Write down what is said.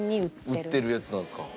売ってるやつなんですか。